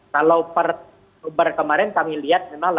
kalau per obat kemarin kami lihat memang delapan ratus tiga puluh empat